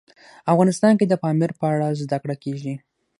افغانستان کې د پامیر په اړه زده کړه کېږي.